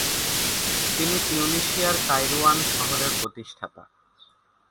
তিনি তিউনিসিয়ার কাইরুয়ান শহরের প্রতিষ্ঠাতা।